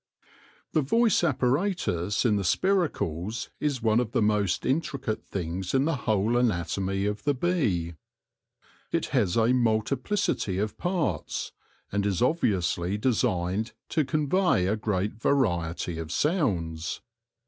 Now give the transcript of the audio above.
The voice apparatus in the spiracles is one of the most intricate things in the whole anatomy of the bee. It has a multiplicity of parts, and is obviously de signed to convey a great variety of sounds.